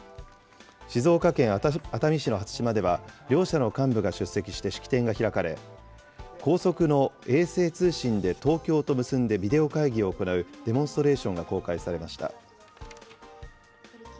静岡県熱海市の初島では、両社の幹部が出席して式典が開かれ、高速の衛星通信で東京と結んでビデオ会議を行うデモンストレーションが公開されました。